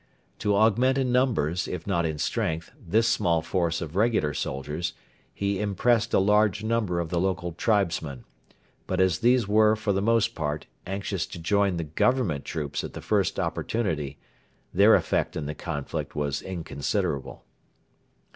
To augment in numbers, if not in strength, this small force of regular soldiers, he impressed a large number of the local tribesmen; but as these were, for the most part, anxious to join the Government troops at the first opportunity, their effect in the conflict was inconsiderable.